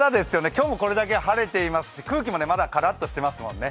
今日もこれだけ晴れていますし空気もまだカラッとしていますもんね。